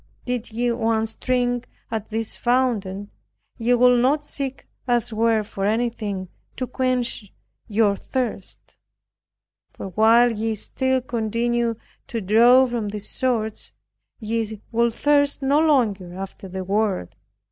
Did ye once drink at this fountain, ye would not seek elsewhere for anything to quench your thirst; for while ye still continue to draw from this source, ye would thirst no longer after the world.